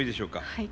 はい。